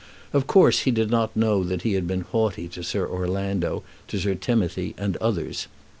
Of course he did not know that he had been haughty to Sir Orlando, to Sir Timothy, and others.